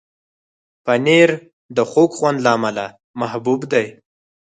پنېر د خوږ خوند له امله محبوب دی.